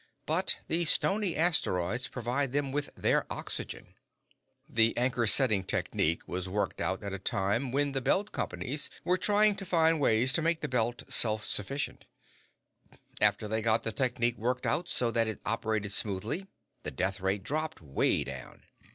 But the stony asteroids provide them with their oxygen. "This anchor setting technique was worked out at a time when the Belt Companies were trying to find ways to make the Belt self sufficient. After they got the technique worked out so that it operated smoothly, the death rate dropped 'way down.